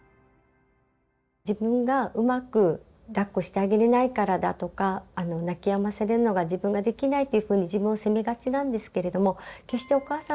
自分がうまくだっこしてあげれないからだとか泣きやませるのが自分ができないというふうに自分を責めがちなんですけれども決してお母さんのせいではないんです。